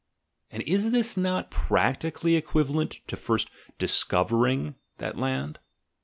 and is this not practically equivalent to first discovering that land?